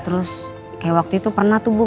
terus kayak waktu itu pernah tuh bu